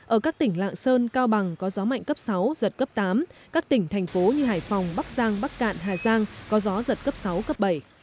ở các tỉnh lạng sơn cao bằng có gió mạnh cấp sáu giật cấp tám các tỉnh thành phố như hải phòng bắc giang bắc cạn hà giang có gió giật cấp sáu cấp bảy